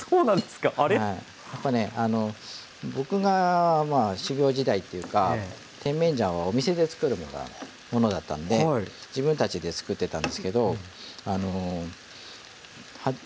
やっぱねあの僕が修業時代っていうか甜麺醤はお店で作るものだったので自分たちで作ってたんですけど八丁